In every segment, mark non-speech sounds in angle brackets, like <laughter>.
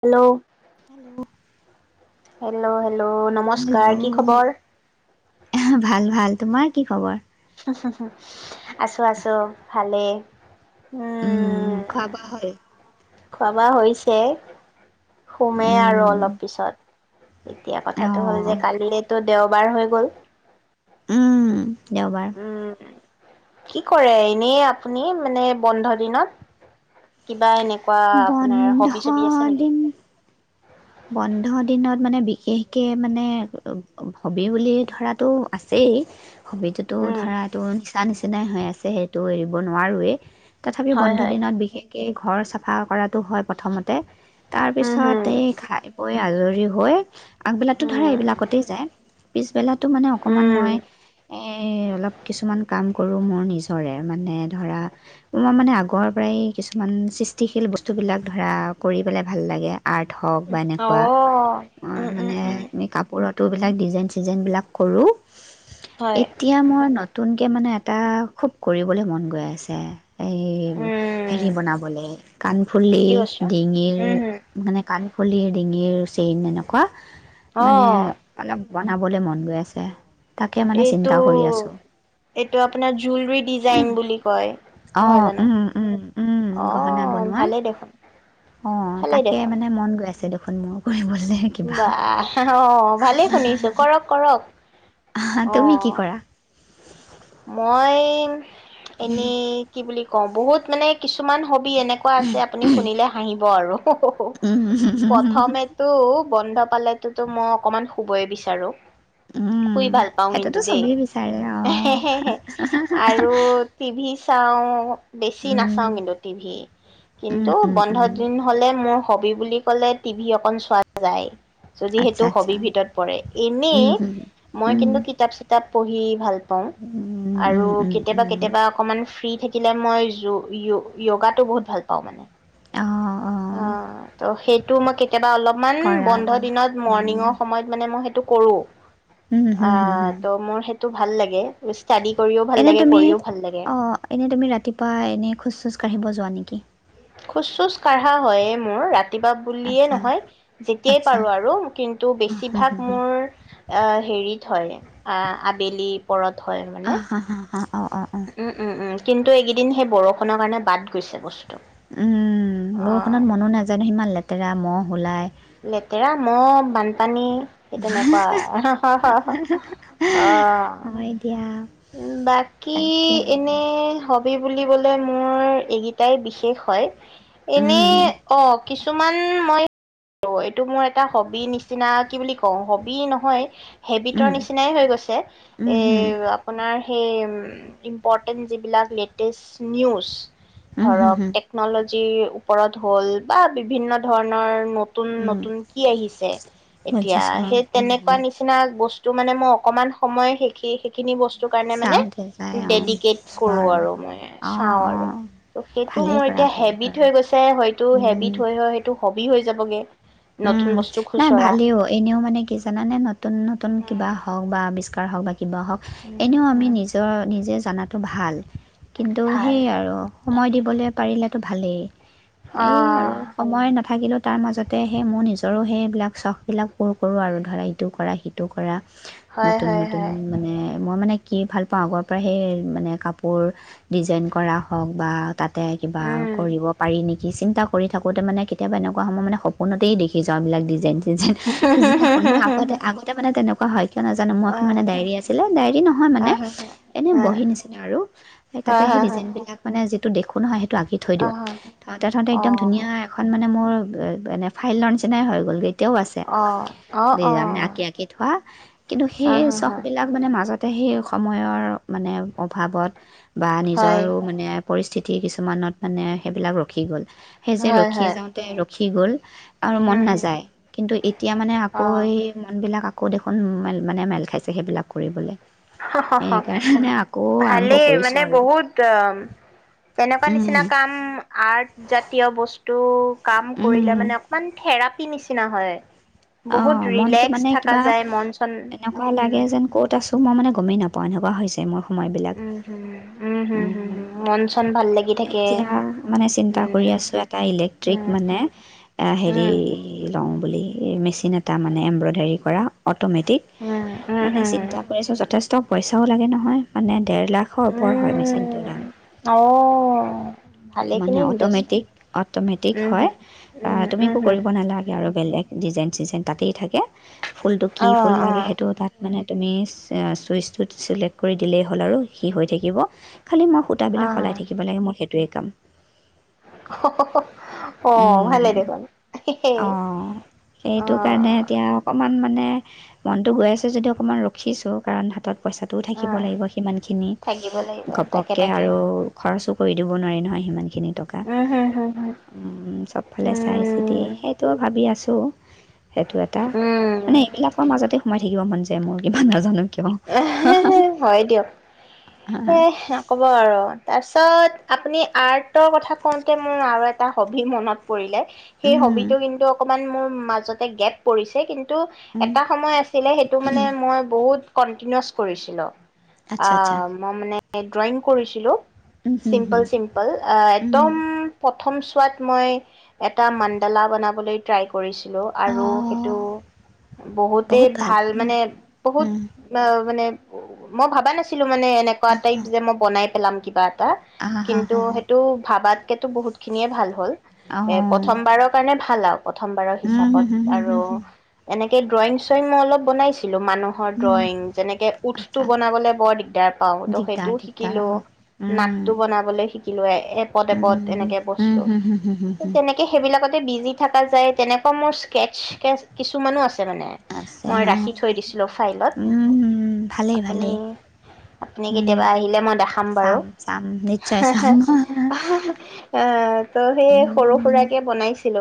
Hello. Hello. Hello, hello hello, ভাল-ভাল, তোমাৰ? কি খবৰ? আছোঁ, আছোঁ ভালেই। উম, খোৱা, বোৱা হ'ল। খোৱা-বোৱা হৈছে? শুমেই আৰু উম অলপ পিছত। এতিয়া অ কথাটো হ'ল যে কালিয়েটো দেওবাৰ হৈ গ'ল। উম। দেওবাৰ। উম। কি কৰে এনেই আপুনি মানে বন্ধ দিনত, কিবা এনে বন্ধ দিন বন্ধ দিনত মানে বিশেষকে মানে হ'বি বুলি ধৰাটো আছেই। হ'বিটোতো উম ধৰাটো নি <unintelligible> নিচিনাই হৈ আছে সেইটো এৰিব নোৱাৰোৱেই। তথাপি হয় বন্ধ হয় দিনত বিশেষ এই ঘৰ চাফা কৰাতটো হয় প্ৰথমতে তাৰ উম পিছত হুম এই খাই বৈ আজৰি হৈ আগবেলাটো ধৰা উম এইবিলাকতেই যায়, পিছবেলাটো মানে অকণমান উম। মই এই অলপ কিছুমান কাম কৰোঁ মোৰ নিজৰে মানে ধৰা মই মানে আগৰ পৰাই কিছুমান সৃষ্টিশীল বস্তুবিলাক ধৰা কৰি পেলাই ভাল লাগে, আৰ্ট হওঁক বা অ' এনেকুৱা মই উম উম মানে উম এনে কাপোৰত টো বিলাক ডিজাইন চিজাইনবিলাক কৰোঁ। হয় এতিয়া মই নতুনকে মানে এটা খুব কৰিবলৈ মন গৈ আছে। এই উম হেৰি বনাবলৈ কাণফুলি, কি বস্তু? ডিঙিৰ উম হুম মানে ফুলিয়ে ডিঙিৰ চেইন এনেকুৱা অ মানে এইটো অলপ বনাবলৈ মন গৈ আছে। তাকে মানে এইটো চিন্তা কৰি আছোঁ এইটো আপোনাৰ জুৱেলৰী ডিজাইন বুলি কয় অঁ নহয় জানো উম উম উম গহনা অ', বনোৱাৰ ভালেই দেখোন, অঁ ভালেই তাকে দেখোন। মানে মন গৈ আছে দেখোন মোৰ কৰিবলৈ কিবা বাহ অ', ভালেই শুনিছো কৰক, কৰক। হা তুমি কি কৰা? মইম এনেই কি বুলি অ', বহুত মানে কিছুমান হবি এনেকুৱা আছে আপুনি শুনিলে হাঁহিব আৰু। উহ, উহ, উম, প্ৰথমেতো বন্ধ পালোতো মই অকমান শুবই বিচাৰো। উম, শুই সেইটোতো চবেই বিচাৰে অ'। হে, হে আৰু টিভি তাওঁ বেছি নাচাওঁ কিন্তু টিভি কিন্তু বন্ধ দিন হ'লে মোৰ হবি বুলি ক'লে টিভি অকণ চোৱা যায়। যদি আচ্ছা সেইটো আচ্ছা হবিৰ ভিতৰত পৰে এনেই অঁ মই কিন্তু কিতাপ চিতাপ পঢ়ি ভাল আৰু কেতিয়াবা কেতিয়াবা অকনমান ফ্ৰী থা শিকিলে মই যো য়ো য়োগাতো বহুত ভাল পাওঁ মানে। অ'। অ', ত' সেই তোমাকে কেতিয়াবা অলপমান কৰা বন্ধ আৰু দিনত উম, মৰ্ণিঙৰ সময়ত মানে মই সেটো কৰোঁ। উম, হম, হম, হম। টো ভাল লাগে ষ্টাডি কৰিও ভাল এনে লাগে তুমি কৰিও ভাল লাগে অ', এনে তুমি ৰাতিপুৱা এনে খোজ চোজ কাঢ়িব যোৱা নেকি? খোজ চোজ কাঢ়া হয়ে মোৰ ৰা তিপা বুলিয়ে আচ্ছা নহয় যেতিয়াই আচ্ছা পাৰো আৰু কিন্তু বেছিভাগ অঁ মোৰ অ', হেৰি থয় আবেলি পৰত হয় মানে <inaudible> উম, উম, উম কিন্তু এইকেইদিন সেই বৰষুণৰ কাৰণে বাদ গৈছে বচ উম, বৰষুণত মনো নাযায় নহয় ইমান লেত ৰা, ম'হ ওলাই লেতেৰা, ম'হ, বানপানী সেই তেনেকুৱা হা হা হা, অ', হয় দিয়া বাকী তাকে এনে হব হেই বুলিবলে মোৰ এইকিটাই বিশেষ হয়, এনে উম, অ, কিছুমান মই অ, এইটো মোৰ এটা হবি নিচিনা কি বুলি কওঁ, হবি নহয় হেবিটৰ উম, নিচিনাই হৈ গৈছে, উম, এই হুম, আপোনাৰ সেই ইম্পৰ্টেণ্ট যিবিলাক লেটেষ্ট নিউজ উম, হুম, ধৰক হুম, টেকনলজ যি ওপৰত হ'ল বা বিভিন্ন ধৰণৰ ম তুন উম, নতুন কি আহিছে, এতিয়া বুজিছোঁ অ, সেই উম, তেনেকুৱা হুম, নিচিনা বচ টো মানে মই অকণমান সময় সেইখি সেইখিনি বস্ টো কাৰণে মানে চাওঁতে যায় অঁ দেদিকেট চোৱা কৰোঁ আৰু মই, অঁ চাওঁ আৰু। অঁ ত' সেইটো ভালেই মোৰ কৰা এতিয়া ভালেই হেবিট কৰা হৈ গৈছে, হয়তো উম, হেবিট হৈ হৈ হয়তো হবি হৈ যাবগে নতুন উম, বস্তু নাই খুচৰা ভালেও, এনেও মানে কি জানানে নতুন নতুন কিবা হওঁক বা আবিচ কাৰ <unintelligible> কিবা হওঁক, উম এনেও আমি উম নিজৰ নিজে জানাটো ভাল। কিন্তু ভাল সেই আৰু সময় তাকে দিবলে পাৰিলেতো ভালেই। অ এয়ে আৰু সময় নাথাকিলেও তাৰ মাজত তেয় সে মোৰ নিজৰো সেইবিলাক চখবিলাক পূৰ কৰোঁ আৰু ধৰা ইটো কৰা সিটো কৰা হয় নতুন হয় নতুন হয় মানে, মই মানে কি ভাল পাওঁ আগৰ পৰা, সেই মানে কাপোৰ ডিজাইন কৰা হওঁক বা তাতে কিবা উম কৰিব পাৰি নিক কি চিন্তা কৰি থাকোঁতে মানে কেতিয়াবা এনেকুৱা সময় মানে সম ফোনতেই দেখি যাওঁ এইবিলাক ডিজাইনচ। ইজিন, পিছদিনাখন মই আগতে, আগতে মানে তেনেক অ', হয়। কিয় নাজানো মই অ এখন মানে ডায়েৰী আছিলে, ডায়েৰী নহয় অ মানে হ হ এনেই বহী নিচিনা আৰু সেই তাতে হয় সেই হয় হয় ডিজাইনবিলাক মানে যে টো দেখো নহয়, সেট টো আঁকি থৈ অ দিও, থওঁতে থওঁঁতে অ একদম ধুনীয়া এখন মানে মোৰ <unintelligible> এনে ফাইলৰ নিচিনাই হৈ গ'ল গে। এতিয়াও আছে অ অ অ মানে আঁকি আঁকি থোৱা কিন্তু হা সেই হা চখ হা বিলাক মানে মাজত তে সেই সময়ৰ মানে অভাৱত বা হয় নিজৰো মানে পৰিস্থিতি কিছুমানত মানে সেইবিলাক ৰখি গ'ল। সেই যে হয় ৰখি হয় যাওঁতে ৰখি গ'ল আৰু হুম মন হুম নাযায় কিন্তু এতিয়া মানে অ আকৌ সেই মনবিলক এইবিলাক আকৌ দেখোন মেল, মানে মেল খাইছে সেইবিলাক কৰিবলে। আৰম্ভ ভালেই কৰিছোঁ মানে আৰু। বহুত তেনেকুৱা উম, নিচিনা কাম, আৰ্ট জাতীয় বস্ত টো কাম কৰিলে উম, মানে অকমান থেৰাপ থেৰাপী নিচিনা হয়। বহুত অ', মনটো ৰিলেক্স মানে থাকা কিবা যায় মন চন এনেকুৱা উম লাগে যেন ক'ত আছো মই মানে গমেই নাপওঁ এনেকুৱা হৈছে মোৰ। সময় বিলাক, উম হম হম হম হম উম, মন চন ভাল লাগি থাকে এতিয়া মানে চিন্তা উম কৰি আছো এটা ইলেক্ট্ৰিক উম মানে আ হেৰি উম লওঁ। বুলি মেচিন এটা মানে এম্ব্ৰইডাৰী কৰা অ অট'মেটিক উম উম মানে হম হম চিন্তা কৰিছোঁ যথেষ্ট পইচাও লাগে নহয় মানে ডেৰ লাখৰ ওপৰ হয় মেচিনটোৰ উম দাম। অ মানে ভালেখিনি অট'মেটিক ইনভেষ্টমেণ্ট অট'মেটিক উম হয় হম আহ উম তুমি উম একো হম কৰিব নালাগে আৰু। বেলেগ ডিজাইন, চিজাইন তাতেই থাকে। ফুলটো কি অ ফুল অ লাগে সেইটো তাত মানে। তুমি চে-চুইচটোত চিলেক্ট কৰি দিলেই হ'ল আৰু সি হৈ থাকিব। খালী মই অ সূতাবিলাক সলাই থাকিব লাগে, মই সেইট সেইটোয়ে কাম। অ', ভালেই দেখোন, অঁ অ'। মনতটো গৈ আছে যদি অকণমান ৰখিছো কাৰণ হাতত পইচাটোও অ থাকিব লাগিব সিমান খিনি, থাকিব লাগিব তাকে ঘপককে তাকে আৰু খৰচো কৰি দিব নোৱাৰি নহয়, সিমান খিনি টকা উম হম হম হম উম চবফালে চাই চিটি সেইটো ভাবি আছো। টো সেইটো এটা, উম মানে উম এইবিলাকৰ মাজতে সোমাই থাকিব মন যায় মোৰ কিবা নাজানো। কিয় এহে হয়, দিয়ক এ ক'ব আৰু। তাৰপিছত আপুনি আৰ্টৰ কথা কওঁতে মোৰ আৰু এটা হ'বি মনত পৰিলে। সেই উম, হ'বিটো কিন্তু অক ইমান মোৰ মাজতে গেপ পৰিছে কিন্তু টো উম, এটা সময় আছিলে সেইটো মানে মই বহুত কণ্টিনিউছ কৰিছিলোঁ। আচ্ছা আচ্ছা অ', ম মানে ড্ৰয়িং কৰিছিলো। উম, হুম, চিম্পল, হুম, চিম্পল আহ, একদম উম, ঠম চোৱাত মই এটা মান্ডালা বনাবলৈ ট্ৰাই কৰিছিলোঁ আৰু সেইটো অঁ বহুতেই বহুত ভাল উম, মানে বহুত উম, মানে মই ভাবা নাছিলো। কিন্তু মানে এনেকুৱা টাইম যে মই বনাই এলাৰ্ম কিবা <unintelligible> আহা হা কিন্তু হা হা সেইটো ভাবাত সেইতো বহুত খিনিয়ে ভাল হ'ল। অঁ এ, প্ৰথমবাৰৰ কাৰণে ভা <unintelligible> প্ৰথমবাৰৰ উম, হিচাপত হুম, হুম, হুম, আৰু হুম, হুম, এনে তে ড্ৰয়িং চ্ৰয়ং মই অলপ বনাইছিলো মানুহৰ উম, ড্ৰয়িং যেনেকে উঠটো আচ্ছা বনাবলে বৰ দিগদাৰ পাওঁ ত দিগদাৰ সেইটোও দিগদাৰ শিকিলো অঁ উম, নাকটো বনাবলৈ কি লুৱাই এপদ এপদ উম, এনেকে উম, বস্তুত হুম, হুম, হুম, হুম, হুম, তেনেকে সেইবিলাকত বিজি থকা যায়, তেনেকুৱা মোৰ স্কেটছ কেছ-কিছুমানো আছ <unintelligible> মানে আছে মই অঁ ৰাখি থৈ দিছিলোঁ ফাইলত। উম, ভালেই আপুনি, ভালেই আপুনি কেতিয়াবা আহিলে মই দে চাম-চাম, নিশ্চয় চাম। আহ ত' সেইয়ে সৰু সুৰাকে বনাইছিলো।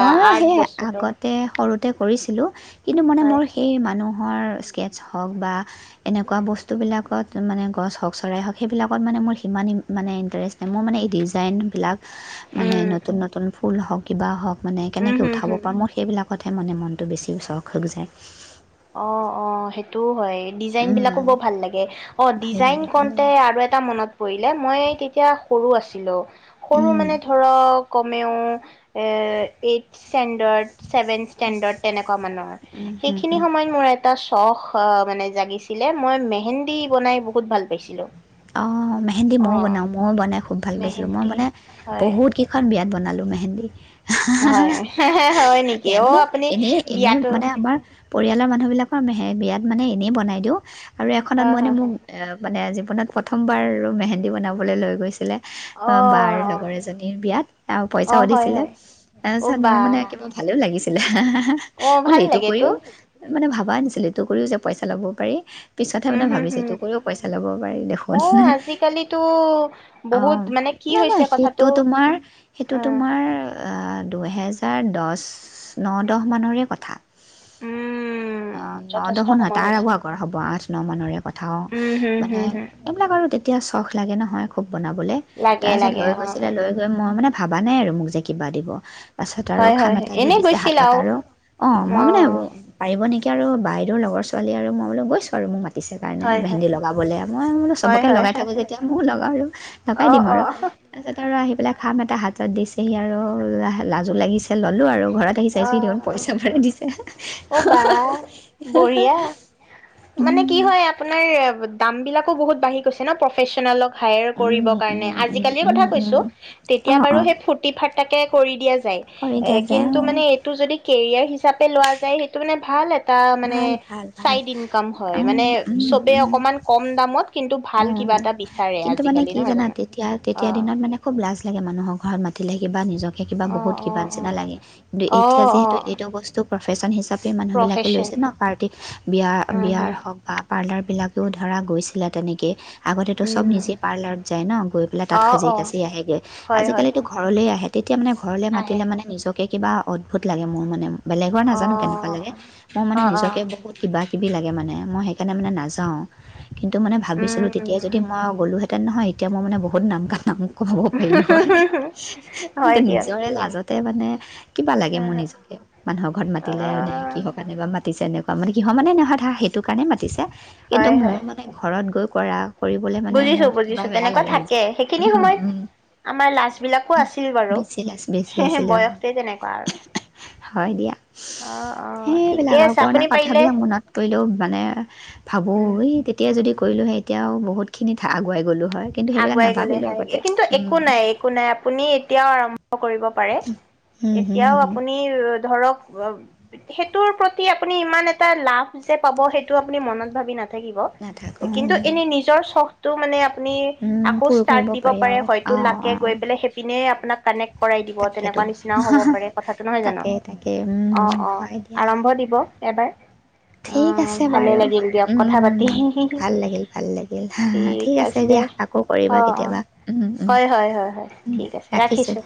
মইয়ো সেইয়া আগতে সৰুত তে কৰিছিলো কিন্তু, মানে হয় মোৰ সেই মানুহ মানুহৰ স্কেটছ হওঁক বা এনেকুৱা বস্তুবিলাকত মানে গছ হওঁক, চৰাই হওঁক, সেইবিলাকত মানে মোৰ সিমান মানে ইণ্টাৰেষ্ট নাই মোৰ মানে এই ডিজাইনবিলাক মানে উম নতুন নতুন ফুল হওঁক, কিবা হওঁক মানে উম কেনেকে হম উঠাব হম। পাও, মই সেইবিলাক কতহে মানে মনটো বেছি চখ হৈক যায়। অ', অ', সেইটোও হয়। ডিজাইন বিলাকো উম, বৰ ভাল লাগে, অ', ভাল ডিজাইন লাগে ভাল কওঁনতে লাগে আৰু এটা মনত পৰিল। এ মই তেতিয়া সৰু আছিলো। সৰু উম, মানে ধৰক কমেও এ এইটচ ষ্টেণ্ডাৰ্ড, ছেভেন ষ্টেণ্ডাৰ্ড তেনেকুৱা মানৰ, সেইখ হুম, হুম। সেই‌খিনি সময়ত মোৰ এট এটা চখ মানে জাগিছিলে, মই মেহেন্দী বনাই বহুত ভাল পাইছিলোঁ। অ'। মেহেন্দী ময়ো অ', বনাওঁ, ময়ো বনাই খু খুব ভাল পাইছিলোঁ, মই মেহেন্দী মানে হয়, বহুত কেইখন বিয়াত বনাল লো মেহেন্দী। হয়। হয় নেকি একে মানে অ', আপুনি এনেই, এনেই বিয়াতো মানে আমাৰ পৰিয়ালৰ মানুহ বিলাকৰ মেহে বিয়াত মানে এনেই বনাই দিওঁ আৰু এখনত অ', মই এনে হয়, মোক হয়, এ মানে জীৱনত প্ৰথমবাৰ মেহেন্দী বনাবলৈ লৈ গৈছিলে। বাৰ অ', লগৰ এজনীৰ বিয়াত, আও পইচাও অ', হয়, দিছিলে, হয়, অ', তাৰপিছত বা মোৰ মানে লাগিছিলে অ', আস, ভাল এইটো লাগেতো কৰিও মানে ভাব <unintelligible> এইটো কৰিও যে, পইচা ল'ব পাৰি। পিছতহে উম, মানে হম, ভাবিছোঁ হম এইটো কৰিও পইচা ল'ব পাৰি দেখোন। অ', আজিকালিতো বহুত অ', মানে কি নাই, নাই হৈছে কথাটো সেইটো তোমাৰ সেইটো আহ, তোমাৰ আ দুহেজাৰ দছ ন, দহ মানৰে কথা। উম, অ', ন, যথেষ্ট দহো নহয় সময় তাৰ আৰু হৈছে আগৰ হ'ব আঠ ন মানৰে পঠাওঁ, উম, হম, মানে হম, হম এইবিলাক আৰু তেত এতিয়া চখ লাগে নহয় খুব বনাবলে, লাগে তাৰপিছত লাগে লৈ অ', অ'। গৈছিলে লৈ গৈ মই মানে ভাবা নাই আৰু মোক যে কিবা দিব। পাছত আৰু হয়, খাম হয়, হয় এটা দি এনে দিছে গৈছিল হাতত আৰু, অ' মই মানে পাৰিব নেকি? এতিয়া আৰু বাইদেউৰ লগৰ ছোৱালী আৰু মই বোলো গৈছোঁ আৰু মোক মাত দিছে কাৰণে হয়, হয়, মেহেন্দি লগাবলৈ মই বোলো হয়, চবকে হয়, লগাই হয়। থাকোঁ যেতিয়া ময়ো লগাওঁ আৰু লগাই অ', দিম আৰু অ', অ', তাৰপিছত আৰু আহি পেলাই খাম এটা হাতত তাত দিছেহি আৰু লাজু লাগিছে। ল'লো আৰু। ঘৰত আহি চাইছোহি দেখোন পইচা ভৰাই দিছে, অ', বা বঢ়িয়া মানে কি উম। হয় আপোনাৰ দাম বিলাকো বহুত বাঢ়ি গৈছে ন প্ৰফেচনেলক হায়াৰ কৰিব উম, কাৰণে, উম, উম, আজিকালিৰ উম, কথা উম, কৈছোঁ, তেতিয়া অ', বাৰু অ', সেই ফুৰ্তি ফাৰ্ত তাকে কৰি দিয়ে যে কৰি দিয়া যায় অ'। এইটো যদি কেৰিয়াৰ হিচাপে লোৱা যায়, সেইটো মানে ভাল এট টা মানে, ভাল, ভাল, ভাল, চাইড ইনকাম হয়, উম, মান চবে অকমান কম দামত কিন্তু উ ভাল কিবা এটা বিচাৰে কিন্তু মানে আজিকালি কি নহয় জানা জানো অ তেতিয়া-তেতিয়া দিনত মানে খুব লাজ লাগে মানুহৰ ঘৰত মাতিলে কিবা নি নিজেকহে কিবা অ বহুত অ কিবা নিচিনা লাগে, কিন্তু অ অ এতিয়া অ যিহেতু এইটো বস্তু প্ৰফেশ্যন হিচাপ মানুহ বিলাকে প্ৰফেচন লৈছে ন পাৰ্টি উম বিয়া-বিয়াৰ উম হওঁক বা পাৰ্লাৰ বিলাক <unintelligible> ধৰা গৈছিলা তেনেকে <unintelligible> আগতেটো চব উম নিজেই পাৰ্লাৰত যায় ন? গৈ পেলাই তাত অ অ সাজি-কাচি আহেগে, হয় হয় আজিকালিতো ঘৰলে আহে, তেতিয়া মানে ঘৰলে আহে মাতিলে মানে নিজক তাকে কিবা অদ্ভুত লাগে মোৰ মানে। বেলেগৰ অ নাজানো কেনেকুৱা লাগে, মই মানে অ অ নিজকে বহুত কিবা কিবি লাগে মানে, মই সেইকাৰণে মানে নাযাওঁ। কিন্তু মানে ভাবিছো উম তেতিয়াই যদি মই গ'লো হেঁতেন নহয় এতিয়া মই মানে বহুত নাম নাম কমাব পাৰিলো হয়, কিন্তু হয় দিয়ক নিজৰে লাজত তাতে মানে কিবা লাগে হা মোৰ হা নিজকে, মানুহৰ ঘৰত অ মাতিলে মানে কিহৰ কাৰনে বা মাতিছে এনে মানে কিহৰ মানে ধৰা সেইটো কাৰণে মাতিছে, কিন্তু হয় মোৰ হয় মানে ঘৰত গৈ কৰা কৰিবলৈ মানে বুজিছো মোৰ কিবা বুজিছো বেয়া তেনেকুৱা লাগে নিজে থাকে সেইখিনি উম, সময়ত উম আমাৰ লাজ বিলাকো আছিল বাৰু বেছি লাজ বেছি আছিলে, অ', বয়সটোৱে তেনেকুৱা আৰু হয়, দিয়া অ অ ঠিকে সেইবিলাক আৰু আছে পুৰণা আপুনি পাৰিলে কথাবিলাক মনত কৰিলেও মানে ভাবোঁ উম এই তেতিয়া যদি কৰিলোঁ সেই এতিয়াও বহুতখিনিত আগুৱাই গলোঁ হয় কিন্তু সেইবিলাক আগুৱাই নাভাবিলোঁ গ'লেহে আগতে কিন্তু একো নাই একো নাই আপুনি এতিয়াও আৰম্ভ কৰিব পাৰে, উম, হুম, এতিয়াও হুম, আপুনি ধৰক সেইটোৰ প্ৰতি আপুনি ইমান এটা লাভ যে, পাব সেইটো আপুনি মনত ভাবি না থাকিব নাথাকো কিন্তু উম, এনে নিজৰ চখ তটো মানে আপুনি উম, আকৌ পুৰ কৰিব ষ্টাৰ্ট দিব পাৰি পাৰে আৰু হয়তো অ', লাকে গৈ অ', পেলাই সেইপিনে আপোনাক কানেক্ট কৰাই দিব তাকেতো তেনেকুৱা নিচিনাও হব পাৰে কথাটো নহয় জানো তাকে তাকে উম, অ', অ', হয় দিয়া। আৰম্ভ দিব এবাৰ। ঠিক অঁ আছে ভালে বাৰু লাগিল দিয়ক কথা উম, পাতি। ভাল লাগিল ভাল লাগিল ঠিক আছে দিয়া আকৌ কৰিবা অ', অ', কেতিয়াবা উম, উম, হয়, হয়, হয়, হয় ঠিক আছে ৰাখিছোঁ।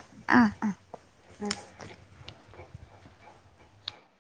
অহ। <unintelligible>